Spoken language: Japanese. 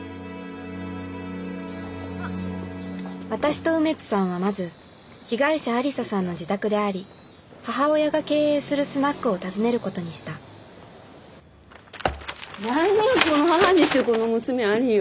私と梅津さんはまず被害者愛理沙さんの自宅であり母親が経営するスナックを訪ねることにした何が「この母にしてこの娘あり」よ！